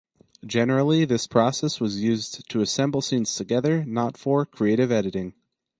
Generally this process was used to assemble scenes together, not for creative editing.